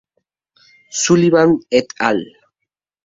Sullivan "et al.